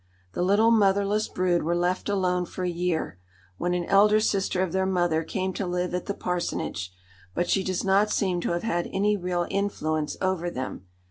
The little motherless brood were left alone for a year, when an elder sister of their mother came to live at the parsonage, but she does not seem to have had any real influence over them.